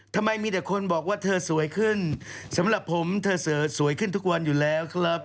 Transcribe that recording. ทำไมมีแต่คนบอกว่าเธอสวยขึ้นสำหรับผมเธอสวยขึ้นทุกวันอยู่แล้วครับ